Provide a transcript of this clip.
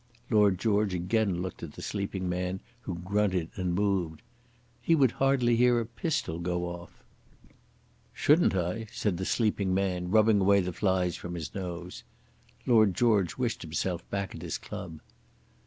Lord George again looked at the sleeping man, who grunted and moved, "He would hardly hear a pistol go off." "Shouldn't I?" said the sleeping man, rubbing away the flies from his nose. Lord George wished himself back at his club.